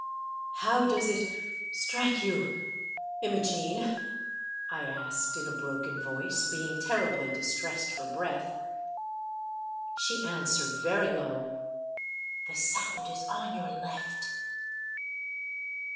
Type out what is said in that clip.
"How does it strike you, Imogene?" I asked, in a broken voice, being terribly distressed for breath. She answered, very low, " The sound is on your left."